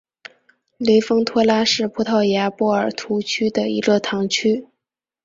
雷丰托拉是葡萄牙波尔图区的一个堂区。